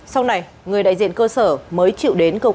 sau này người đại diện cơ sở mới chịu đến công an để giải quyết